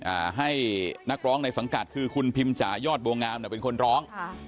อ่าให้นักร้องในสังกัดคือคุณพิมจ่ายอดบัวงามเนี่ยเป็นคนร้องค่ะ